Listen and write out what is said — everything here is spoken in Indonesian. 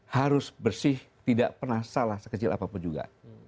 harus bersih tidak pernah salah sekecil apapun juga